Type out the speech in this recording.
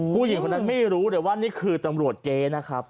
ผู้หญิงคนนั้นไม่รู้เลยว่านี่คือตำรวจเก๊นะครับ